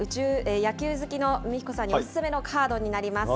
野球好きの海彦さんにお勧めのカードになります。